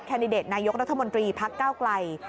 ดิเดตนายกรัฐมนตรีพักเก้าไกล